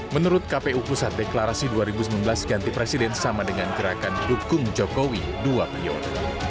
menurut kpu pusat deklarasi dua ribu sembilan belas ganti presiden sama dengan gerakan dukung jokowi dua periode